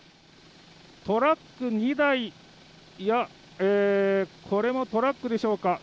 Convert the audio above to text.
トラック２台やこれもトラックでしょうか。